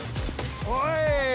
おい！